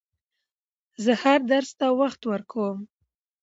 زه هر درس ته وخت ورکووم.